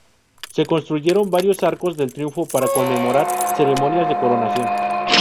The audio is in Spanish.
Se construyeron varios arcos del triunfo para conmemorar ceremonias de coronación.